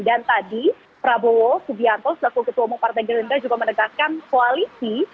dan tadi prabowo subianto selaku ketua umum partai gerindra juga menegaskan koalisi